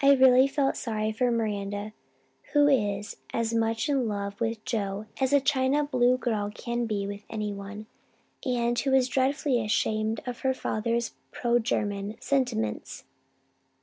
I really felt sorry for Miranda who is as much in love with Joe as a china blue girl can be with anyone and who is dreadfully ashamed of her father's pro German sentiments.